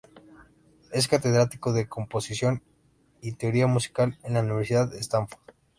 Es catedrático de Composición y Teoría musical en la Universidad Stanford.